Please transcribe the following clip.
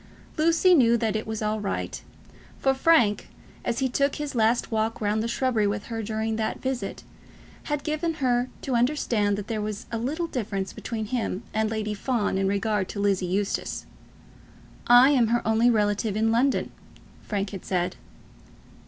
Lucy knew that it was all right; for Frank, as he took his last walk round the shrubbery with her during that visit, had given her to understand that there was a little difference between him and Lady Fawn in regard to Lizzie Eustace. "I am her only relative in London," Frank had said.